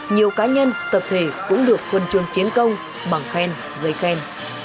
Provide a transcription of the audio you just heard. nhiều cá nhân tập thể cũng được khuân chuông chiến công bằng khen với khen